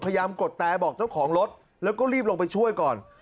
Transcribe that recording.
กดแต่บอกเจ้าของรถแล้วก็รีบลงไปช่วยก่อน